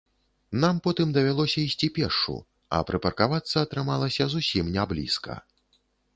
Нам потым давялося ісці пешшу, а прыпаркавацца атрымалася зусім не блізка.